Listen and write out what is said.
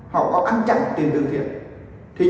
họ có ăn chặt tiền thương thiện